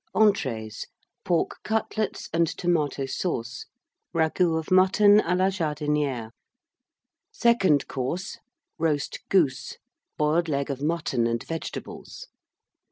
ENTREES. Pork Cutlets and Tomato Sauce. Ragoût of Mutton à la Jardinière. SECOND COURSE. Roast Goose. Boiled Leg of Mutton and Vegetables.